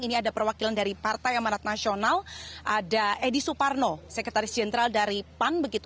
ini ada perwakilan dari partai amanat nasional ada edi suparno sekretaris jenderal dari pan